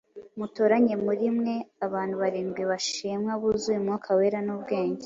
mutoranye muri mwe abantu barindwi bashimwa, buzuye Umwuka Wera n’ubwenge